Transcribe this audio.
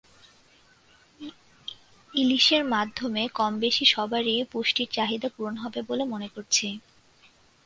ইলিশের মাধ্যমে কম-বেশি সবারই পুষ্টির চাহিদা পূরণ হবে বলে মনে করছি।